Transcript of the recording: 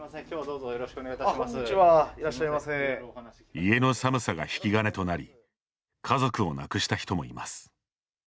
家の寒さが引き金となり家族を亡くした人もいます。